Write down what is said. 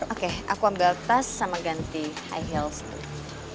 oke aku ambil tas sama ganti high heels